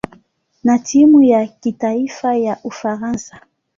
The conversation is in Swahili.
na timu ya kitaifa ya Ufaransa.